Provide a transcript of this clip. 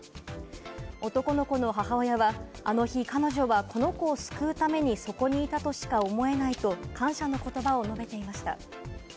男の子の母親は、あの日、彼女はこの子を救うために、そこにいたとしか思えないと感謝の言葉を述べていました。